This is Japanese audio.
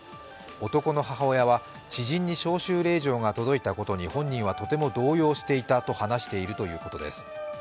男の母親は知人に招集令状が届いたことに本人はとても動揺していたと話しているということです。